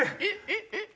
えっ？